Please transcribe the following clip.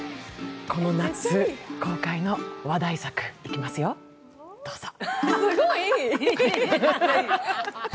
この夏、公開の話題作、いきますよ、どうぞ。